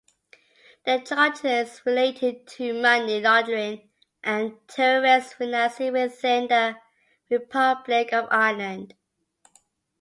The charges related to money laundering and terrorist financing within the Republic of Ireland.